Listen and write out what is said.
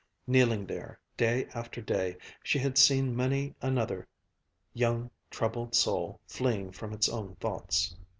Kneeling there, day after day, she had seen many another young, troubled soul fleeing from its own thoughts.